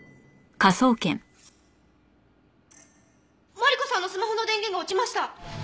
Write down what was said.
マリコさんのスマホの電源が落ちました。